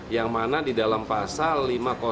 yang kita bidik adalah prostitusi online nya